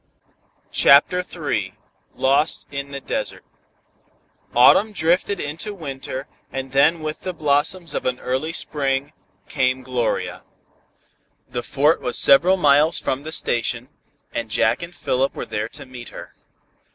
CHAPTER III LOST IN THE DESERT Autumn drifted into winter, and then with the blossoms of an early spring, came Gloria. The Fort was several miles from the station, and Jack and Philip were there to meet her.